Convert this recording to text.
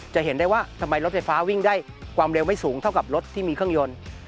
จะเห็นได้ว่าทำไมรถไฟฟ้าวิ่งได้ความเร็วไม่สูงเท่ากับรถที่มีเครื่องยนต์